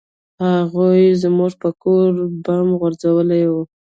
هغوى زموږ پر کور بم غورځولى و.